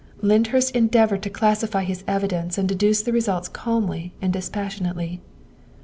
'' Lyndhurst endeavored to classify his evidence and deduce the results calmly and dispassionately.